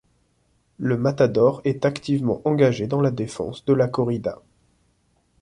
Le matador est activement engagé dans la défense de la corrida.